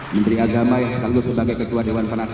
menteri agama sekaligus sebagai ketua dewan penasehat